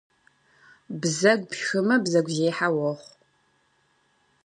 Бзэгу пшхымэ бзэгузехьэ уохъу.